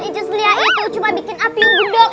ijus lia itu cuma bikin api unggun doang